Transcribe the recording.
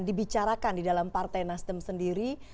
dibicarakan di dalam partai nasdem sendiri